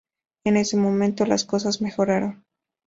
En ese momento, las cosas mejoraron.